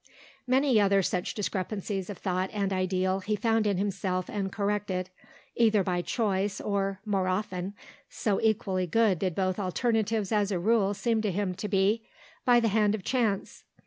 Many other such discrepancies of thought and ideal he found in himself and corrected, either by choice or, more often (so equally good did both alternatives as a rule seem to him to be) by the hand of chance.